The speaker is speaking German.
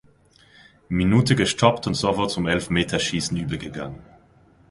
Minute gestoppt und sofort zum Elfmeterschießen übergegangen.